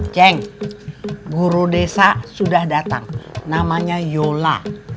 ceng guru desa sudah datang namanya yola